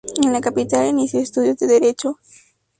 En la capital inició estudios de Derecho.